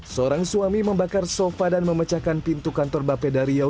seorang suami membakar sofa dan memecahkan pintu kantor bapeda riau